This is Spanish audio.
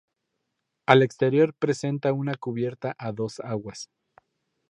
Al exterior presenta una cubierta a dos aguas.